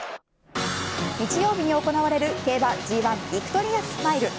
日曜日に行われる競馬Ｇ１ヴィクトリアマイル。